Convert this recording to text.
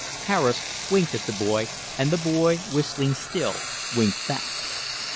Harris winked at the boy, and the boy, whistling still, winked back.